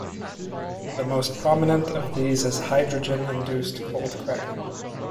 The most prominent of these is hydrogen induced cold cracking.